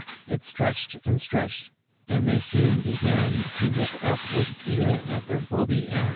It stretched and stretched, and they soon began To look up with fear at their Phoebe Ann.